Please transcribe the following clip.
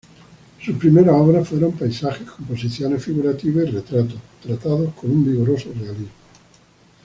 Sus primeras obras fueron paisajes, composiciones figurativas y retratos, tratados con un vigoroso realismo.